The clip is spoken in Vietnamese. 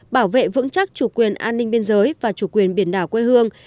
bảo vệ vững chắc chủ quyền an ninh biên giới và chủ quyền biển đảo quê hương